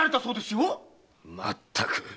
まったく！